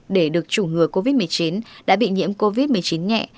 để được chủng ngừa covid một mươi chín đã bị nhiễm covid một mươi chín nhẹ